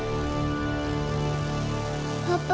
パパ。